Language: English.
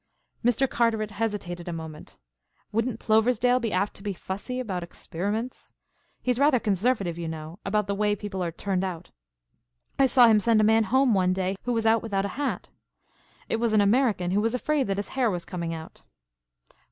Mr. Carteret hesitated a moment. "Wouldn't Ploversdale be apt to be fussy about experiments? He's rather conservative, you know, about the way people are turned out. I saw him send a man home one day who was out without a hat. It was an American who was afraid that his hair was coming out."